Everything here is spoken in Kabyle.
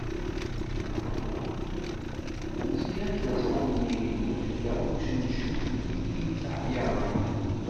Zgiɣ kerseɣ i unyir-iw, heggaɣ i umcečew d wid iyi-ittɛayaren.